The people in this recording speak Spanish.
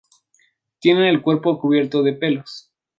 Tienen el cuerpo cubierto de pelos.